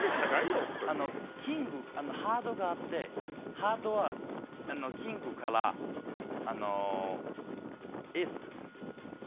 ハートがあってハートはキングからエースです。